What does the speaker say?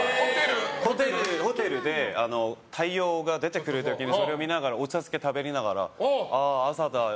ホテルで太陽が出てくる時にそれを見ながらお茶漬け食べながらああ、朝だ。